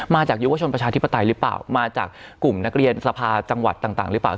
ยุวชนประชาธิปไตยหรือเปล่ามาจากกลุ่มนักเรียนสภาจังหวัดต่างหรือเปล่า